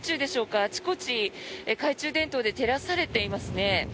あちこち懐中電灯で照らされていますね。